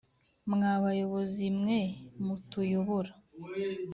mwa bayobozi mwe mutuyobora